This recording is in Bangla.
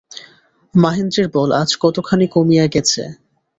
মহেন্দ্রের বল আজ কতখানি কমিয়া গেছে।